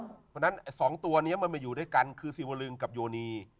เพราะฉะนั้น๒ตัวนี้มันมาอยู่ด้วยกันคือซีวาลึงกับโยนี